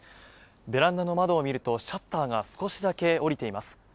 ベランダの窓を見るとシャッターが少しだけ下りています。